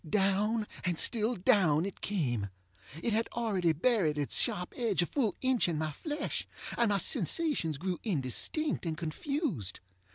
Down and still down, it came. It had already buried its sharp edge a full inch in my flesh, and my sensations grew indistinct and confused.